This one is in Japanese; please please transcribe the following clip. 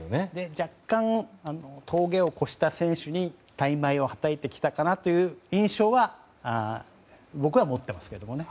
若干、峠を越した選手に大枚をはたいてきたかなという印象は僕は持っていますけどね。